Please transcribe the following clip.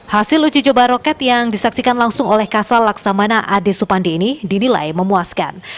hasil uji coba roket yang disaksikan langsung oleh kasal laksamana ade supandi ini dinilai memuaskan